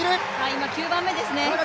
今、９番目ですね。